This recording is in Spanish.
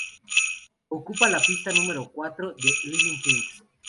Ocupa la pista número cuatro de "Living Things".